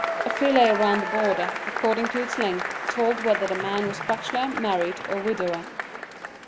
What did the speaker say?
A fillet round the border, according to its length, told whether the man was bachelor, married, or widower.